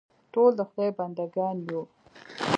ټول د خدای بنده ګان یو.